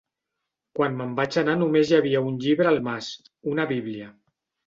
Quan me'n vaig anar només hi havia un llibre al mas, una Bíblia.